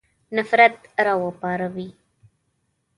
نفرت را وپاروي.